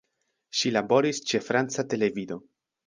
Ŝi laboris ĉe franca televido.